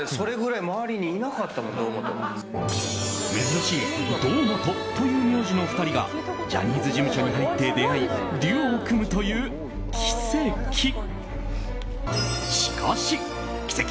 珍しい堂本という名字の２人がジャニーズ事務所に入って出会いデュオを組むという奇跡。